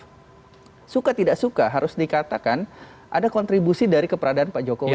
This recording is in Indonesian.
jadi ini adalah satu alasan yang lebih suka harus dikatakan ada kontribusi dari keberadaan pak jokowi